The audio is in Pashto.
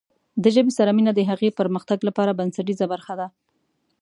د ژبې سره مینه د هغې پرمختګ لپاره بنسټیزه برخه ده.